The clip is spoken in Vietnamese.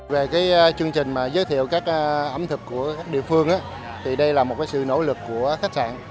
về chương trình giới thiệu ẩm thực của địa phương đây là một sự nỗ lực của khách sạn